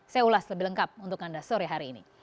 saya ulas lebih lengkap untuk anda sore hari ini